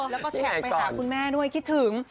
แล้วก็แท็กไปหาคุณแม่ด้วยคิดถึง